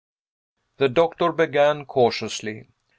The doctor began cautiously.